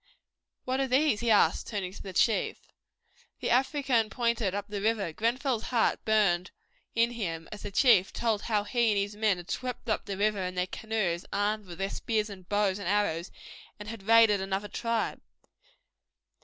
"What are these?" he asked, turning to the chief. The African pointed up the river. Grenfell's heart burned in him, as the chief told how he and his men had swept up the river in their canoes armed with their spears and bows and arrows and had raided another tribe.